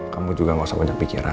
kamu juga gak usah banyak pikiran